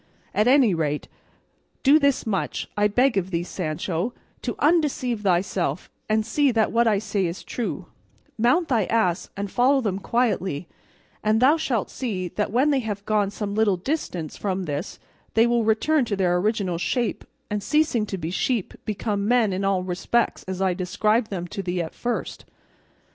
At any rate, do this much, I beg of thee, Sancho, to undeceive thyself, and see that what I say is true; mount thy ass and follow them quietly, and thou shalt see that when they have gone some little distance from this they will return to their original shape and, ceasing to be sheep, become men in all respects as I described them to thee at first.